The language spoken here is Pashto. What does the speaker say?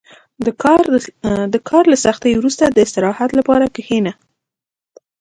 • د کار له سختۍ وروسته، د استراحت لپاره کښېنه.